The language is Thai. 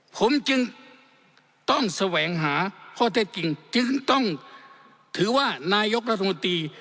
ผมจึงต้องแสวงหาพ่อเทศจริงจึงต้องถือว่านายกธรรมดี